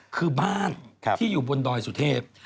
คือบ้านที่อยู่บนดอยสุเทพ